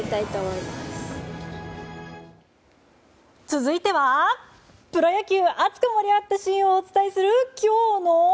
続いてはプロ野球熱く盛り上がったシーンをお伝えする今日の。